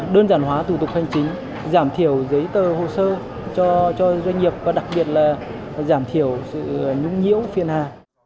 đơn giản hóa thủ tục hành chính giảm thiểu giấy tờ hồ sơ cho doanh nghiệp và đặc biệt là giảm thiểu sự nhũng nhiễu phiên hà